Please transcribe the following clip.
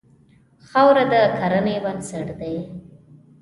خاوره د کرنې بنسټ دی.